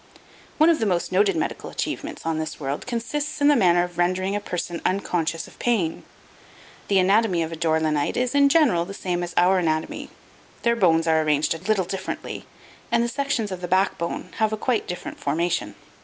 One of the most noted medical achievements on this world consists in the manner of rendering a person unconscious of pain. The anatomy of a Dore lynite is, in general, the same as our anatomy. Their bones are arranged a little differently and the sections of the backbone have a quite different formation.